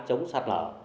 chống sạt lở